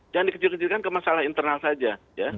jangan dikecil kecilkan ke masalah internal saja